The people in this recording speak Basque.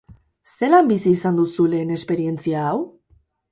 Zelan bizi izan duzu lehen esperientzia hau?